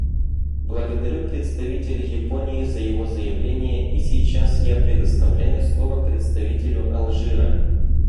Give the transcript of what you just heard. Благодарю представителя Японии за его заявление, и сейчас я предоставляю слово представителю Алжира.